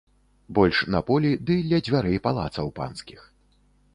Больш на полі ды ля дзвярэй палацаў панскіх.